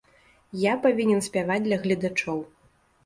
Я павінен спяваць для гледачоў.